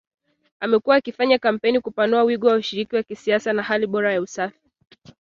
amekuwa akifanya kampeni kupanua wigo wa ushiriki wa kisiasa na hali bora ya usafi